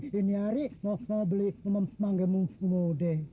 hari ini mau beli manggil muda